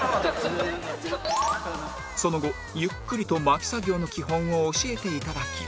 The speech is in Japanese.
その後ゆっくりと巻き作業の基本を教えて頂き